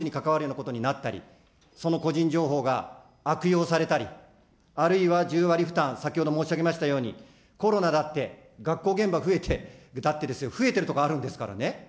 このままでは本当にカルテ間違って投薬されて、本当に命に関わるようなことになったり、その個人情報が悪用されたり、あるいは１０割負担、先ほど申し上げましたように、コロナだって、学校現場増えて、だって増えてるところあるんですからね。